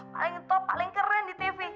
paling top paling keren di tv